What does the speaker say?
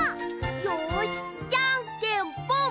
よしじゃんけんぽん！